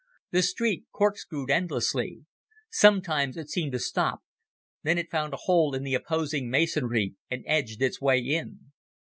The street corkscrewed endlessly. Sometimes it seemed to stop; then it found a hole in the opposing masonry and edged its way in.